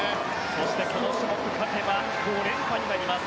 そしてこの種目勝てば５連覇になります。